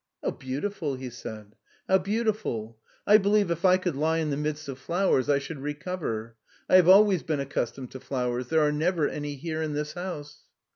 " How beautiful," he said, "how beautiful. I believe if I could lie in the midst of flowers I should recover. I have always been accustomed to flowers. There arc never any here in this house."